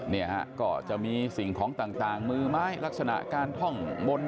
เนี่ยฮะก็จะมีสิ่งของต่างมือไม้ลักษณะการท่องบน